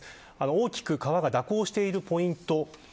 大きく川が蛇行しているポイント